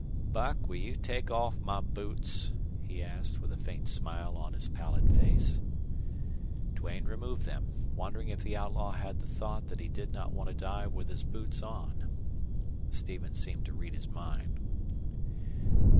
"Buck, will you take off my boots?" he asked, with a faint smile on his pallid face. Duane removed them, wondering if the outlaw had the thought that he did not want to die with his boots on. Stevens seemed to read his mind.